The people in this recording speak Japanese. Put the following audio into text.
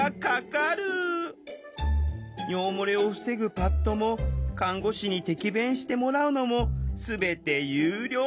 尿漏れを防ぐパッドも看護師に摘便してもらうのも全て有料。